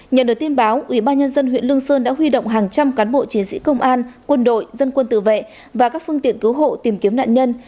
nhận được tin báo ubnd huyện lương sơn đã huy động hàng trăm cán bộ chiến sĩ công an quân đội dân quân tự vệ và các phương tiện cứu hộ tìm kiếm nạn nhân